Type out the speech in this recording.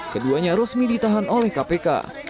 keduanya resmi ditahan oleh kpk